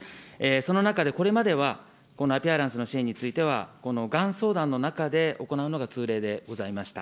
その中でこれまでは、このアピアランスの支援についてはこのがん相談の中で行うのが通例でございました。